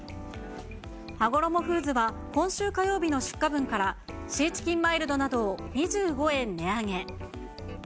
はごろもフーズは今週火曜日の出荷分から、シーチキンマイルドなどを２５円値上げ。